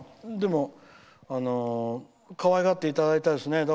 でも、かわいがっていただいたですね。